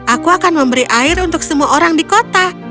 aku akan memberi air untuk semua orang di kota